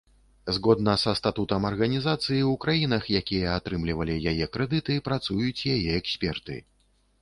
Згодна са статутам арганізацыі, у краінах, якія атрымлівалі яе крэдыты, працуюць яе эксперты.